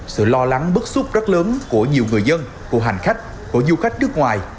sự lo lắng bức xúc rất lớn của nhiều người dân của hành khách của du khách nước ngoài